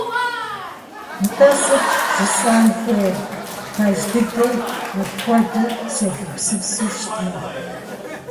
НтӀэ, сыт жысӀэн хуейр, пэж дыдэу апхуэдэу сегупсысу щытмэ?